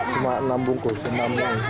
cuma enam bungkus enam yang di rumah